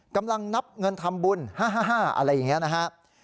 กำลังนับเงินทำบุญ๕๕อะไรอย่างนี้นะครับ